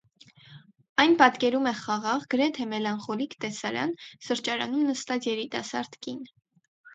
Այն պատկերում է խաղաղ, գրեթե մելանխոլիկ տեսարան՝ սրճարանում նստած երիտասարդ կին։